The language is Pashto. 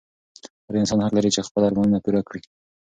هر انسان حق لري چې خپل ارمانونه پوره کړي.